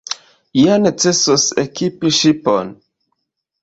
Ja necesos ekipi ŝipon.